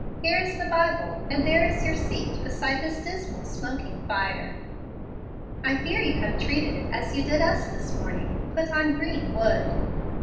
Here is the Bible, and there is your seat beside this dismal, smoking fire. I fear you have treated it as you did us this morning, put on green wood."